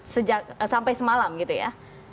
sejak sampai semalam gitu ya